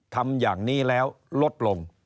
ทำอย่างนี้แล้วลดลง